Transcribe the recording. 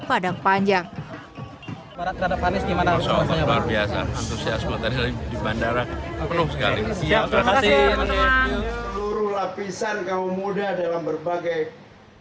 padang panjang pada panis gimana luar biasa antusiasme bandara perlu sekali terima kasih